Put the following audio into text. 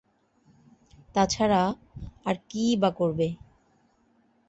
তাছাড়া, আর কী-ই বা করবে?